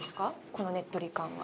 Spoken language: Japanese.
このねっとり感は。